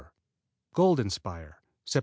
Golden Spire Sept.